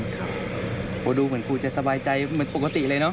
ครับโหดูเหมือนครูจะสบายใจเหมือนปกติเลยเนอ